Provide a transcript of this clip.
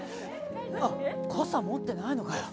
あっ、傘持ってないのかよ。